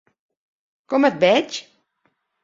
Com et veig?